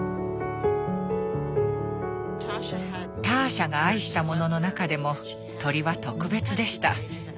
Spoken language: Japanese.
ターシャが愛したものの中でも鳥は特別でした。